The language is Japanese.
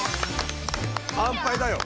かんぱいだよ。